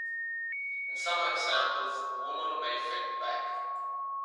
In some examples, the woman may fight back.